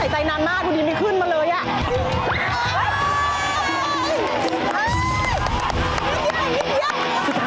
ดูมึงแหละ